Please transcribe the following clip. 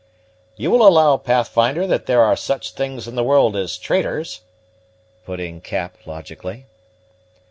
"You will allow, Pathfinder, that there are such things in the world as traitors?" put in Cap logically.